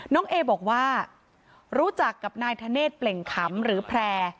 น้องเอบอกว่ารู้จักกับนายธเนธเปล่งขำหรือแพร่